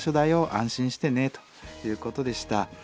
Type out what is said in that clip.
安心してね」ということでした。